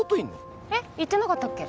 言ってなかったっけ？